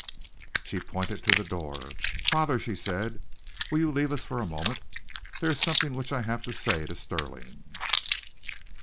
She pointed to the door. "Father," she said, "will you leave us for a moment? There is something which I have to say to Stirling."